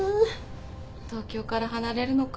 東京から離れるのか。